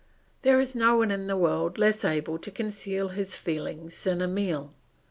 There is no one in the world less able to conceal his feelings than Emile.